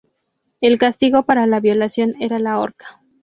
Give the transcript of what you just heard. El castigo para la violación era la horca.